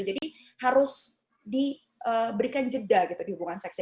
jadi harus diberikan jeda gitu di hubungan seksnya